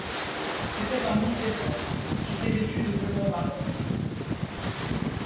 C’était en mi-saison, j’étais vêtu de velours marron.